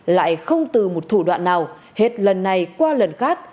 lại không từ một thủ đoạn nào hết lần này qua lần khác